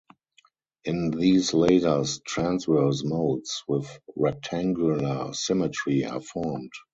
In these lasers, transverse modes with rectangular symmetry are formed.